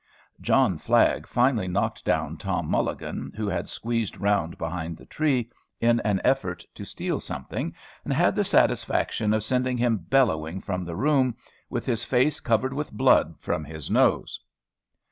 John Flagg finally knocked down Tom Mulligan, who had squeezed round behind the tree, in an effort to steal something, and had the satisfaction of sending him bellowing from the room, with his face covered with blood from his nose.